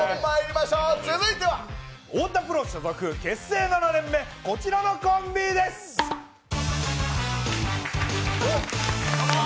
続いては太田プロ所属、結成７年目、こちらのコンビです。